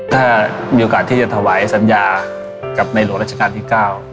ถ้ามีโอกาสที่จะถวายสัญญากับในหลวงราชการที่๙